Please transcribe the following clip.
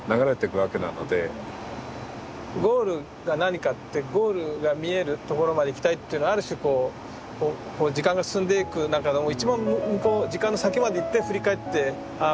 ゴールが何かってゴールが見えるところまで行きたいっていうのはある種時間が進んでいく一番向こう時間の先まで行って振り返ってああ